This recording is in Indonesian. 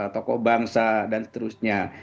tokoh bangsa dan seterusnya